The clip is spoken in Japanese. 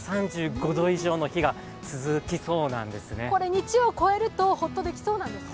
日曜を超えると、ホッとできそうなんですか？